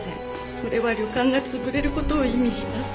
それは旅館が潰れる事を意味します。